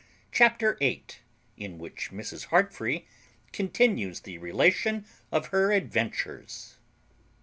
CHAPTER EIGHT IN WHICH MRS. HEARTFREE CONTINUES THE RELATION OF HER ADVENTURES.